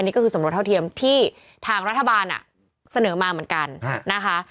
นี่ก็คือสำรวจเท่าเทียมที่ทางรัฐบาลเสนอมาเหมือนกันนะคะ